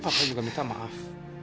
papa juga minta maaf